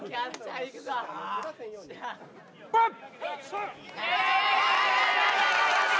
バン！